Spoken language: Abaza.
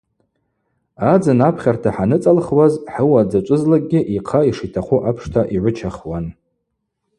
Адзын апхьарта хӏаныцӏалхуаз хӏыуа дзачӏвызлакӏгьи йхъа йшитахъу апшта йгӏвычахуан.